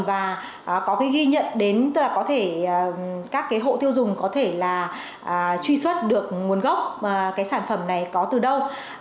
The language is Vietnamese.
và có cái ghi nhận đến là có thể các cái hộ tiêu dùng có thể là truy xuất được nguồn gốc cái sản phẩm này có từ đâu